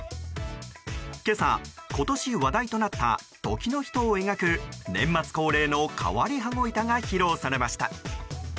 今朝、今年話題となった時の人を描く年末恒例の変わり羽子板が披露されました。